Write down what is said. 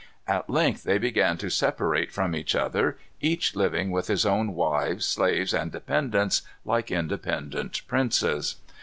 At length they began to separate from each other, each living with his own wives, slaves, and dependants, like independent princes.